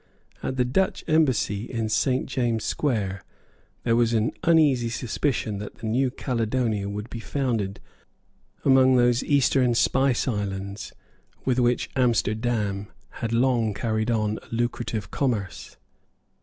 At the Dutch Embassy in Saint James's Square there was an uneasy suspicion that the new Caledonia would be founded among those Eastern spice islands with which Amsterdam had long carried on a lucrative commerce.